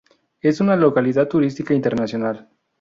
Es una localidad turística internacional.